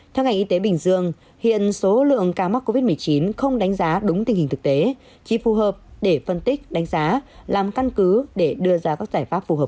theo ngành y tế bình dương hiện số lượng ca mắc covid một mươi chín không đánh giá đúng tình hình thực tế chỉ phù hợp để phân tích đánh giá làm căn cứ để đưa ra các giải pháp phù hợp